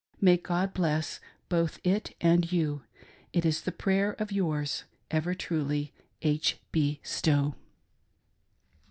May God bless both it and you, is the prayer of yours ever truly, — H . B Stowe."